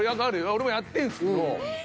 俺もやってんですけど